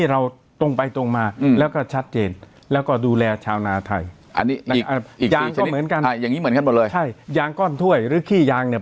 ยางก็เหมือนกันยางก้อนถ้วยหรือขี้ยางเนี่ย